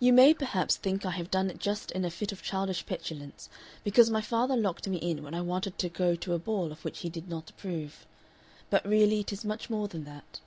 You may, perhaps, think I have done it just in a fit of childish petulance because my father locked me in when I wanted to go to a ball of which he did not approve. But really it is much more than that.